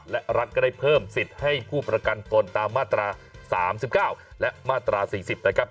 และรัฐก็ได้เพิ่มสิทธิ์ให้ผู้ประกันตนตามมาตรา๓๙และมาตรา๔๐นะครับ